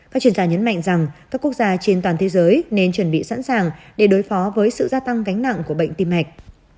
các chuyên gia nhấn mạnh rằng các quốc gia trên toàn thế giới nên chuẩn bị sẵn sàng để đối phó với sự gia tăng gánh nặng của bệnh tim mạch